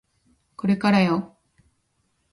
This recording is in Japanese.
これからよ